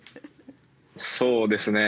そうですね。